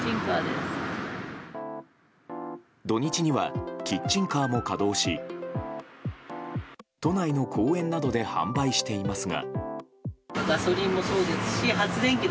土日にはキッチンカーも稼働し都内の公園などで販売していますが。